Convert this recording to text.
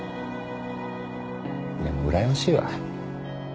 でもうらやましいわ。